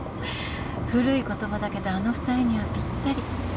古い言葉だけどあの２人にはピッタリ。